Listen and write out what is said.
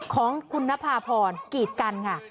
ของคุณนภาพรกีดกันค่ะ